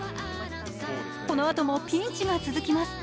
このあともピンチが続きます。